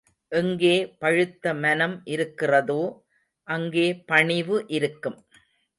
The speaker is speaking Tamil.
எங்கே பழுத்த மனம் இருக்கிறதோ அங்கே பணிவு இருக்கும்.